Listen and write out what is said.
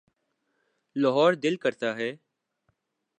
لاہور دل کرتا ہے۔